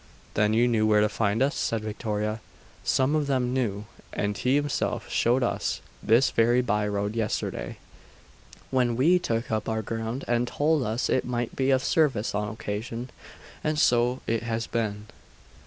'Then you knew where to find us?' said Victoria. 'Some of them knew. And he himself showed us this very by road yesterday, when we took up our ground, and told us it might be of service on occasion and so it has been.